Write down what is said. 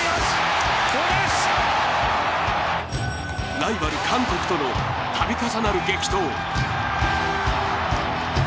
ライバル韓国との度重なる激闘。